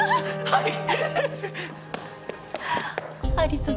はい！